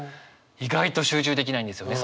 意外と集中できないんですよね